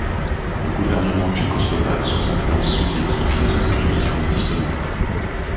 Le gouvernement tchécoslovaque, sous influence soviétique, les inscrivit sur une liste noire.